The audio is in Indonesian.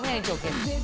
iya sekarang masuk disini